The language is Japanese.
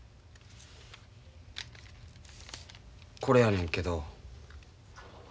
これやねんけど。